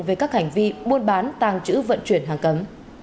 về các hành vi buôn bán tàng trữ vận chuyển hàng cấm